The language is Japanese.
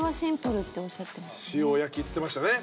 塩焼きっつってましたね。